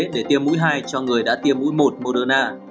để tiêm mũi hai cho người đã tiêm mũi một moderna